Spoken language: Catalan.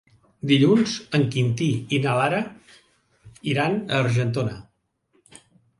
Dilluns en Quintí i na Lara iran a Argentona.